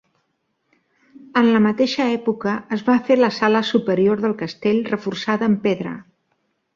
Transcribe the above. En la mateixa època es va fer la sala superior del castell reforçada amb pedra.